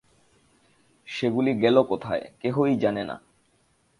সেগুলি গেল কোথায়, কেহই জানে না।